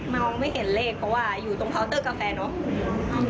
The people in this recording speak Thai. มองไม่เห็นเลขเพราะว่าอยู่ตรงเคาน์เตอร์กาแฟเนอะ